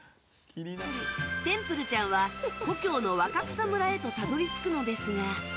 テンプルちゃんは故郷の若草村へとたどり着くのですが。